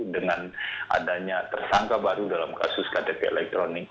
dengan adanya tersangka baru dalam kasus ktp elektronik